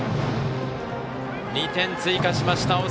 ２点追加しました。